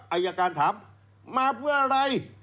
อายการถามมาเพื่ออะไร